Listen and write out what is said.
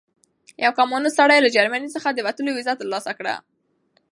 یو کمونیست سړي له جرمني څخه د وتلو ویزه ترلاسه کړه.